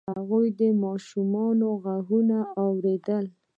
هغوی د ماشومانو غږ واورید.